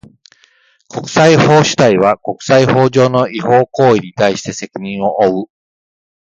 国際法主体は、国際法上の違法行為に対して責任を負う。